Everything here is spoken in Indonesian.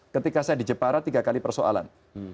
ketika saya di jepara tiga kali persoalan